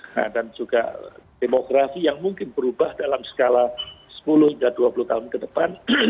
nah dan juga demokrasi yang mungkin berubah dalam skala sepuluh hingga dua puluh tahun ke depan